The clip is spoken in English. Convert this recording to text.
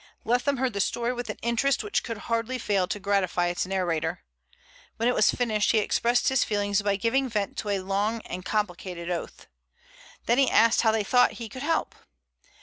Leatham heard the story with an interest which could hardly fail to gratify its narrator. When it was finished he expressed his feelings by giving vent to a long and complicated oath. Then he asked how they thought he could help.